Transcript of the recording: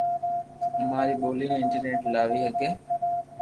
امري بولي ني انٽرنيٽ لاوي ھگو